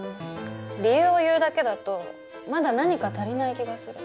理由を言うだけだとまだ何か足りない気がする。